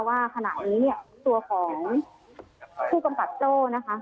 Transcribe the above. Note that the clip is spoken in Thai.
ว่าขณะนี้เนี่ยตัวของผู้กำกับโจ้นะคะ